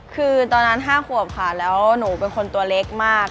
คือตอนนั้น๕ขวบค่ะแล้วหนูเป็นคนตัวเล็กมาก